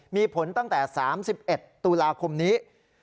มีผลตั้งแต่๓๑ตุลาคมนี้